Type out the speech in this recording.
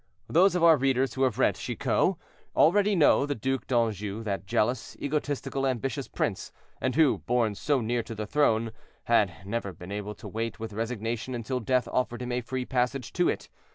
Those of our readers who have read "Chicot," already know the Duc d'Anjou, that jealous, egotistical, ambitious prince, and who, born so near to the throne, had never been able to wait with resignation until death offered him a free passage to it.